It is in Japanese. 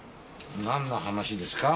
何の話ですか？